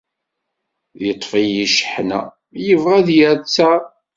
Yeṭṭef-iyi cceḥna, yebɣa ad yerr ttar.